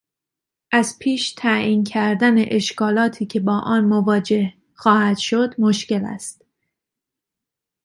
از پیش تعیین کردن اشکالاتی که با آن مواجه خواهد شد مشکل است.